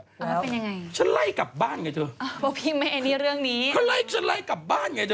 แล้วเป็นยังไงเช้าให้กลับบ้านไงเสียเข้าอ่ะเพราะพี่แม่เนี้ยเรื่องนี้เค้าเอล่ะชันไล่กลับบ้านไงเถอะ